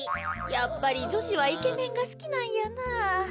やっぱりじょしはイケメンがすきなんやなあ。